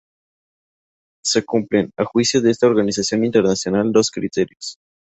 Se cumplen, a juicio de esta organización internacional, dos criterios.